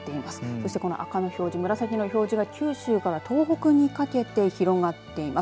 そして、赤の表示紫の表示が九州から東北にかけて広がっています。